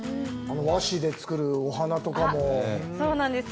和紙で作るお花とかもそうなんです